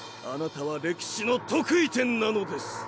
あなたは歴史の特異点なのです。